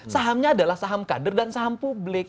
sahamnya adalah saham kader dan saham publik